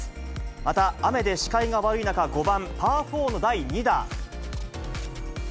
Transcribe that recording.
また、雨で視界が悪い中、５番パー４の第２打。